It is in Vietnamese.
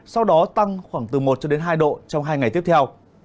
sau đó tăng khoảng từ một cho đến hai độ trong hai ngày tiếp theo